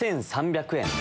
８３００円。